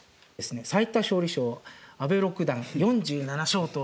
最多勝利賞阿部六段４７勝という。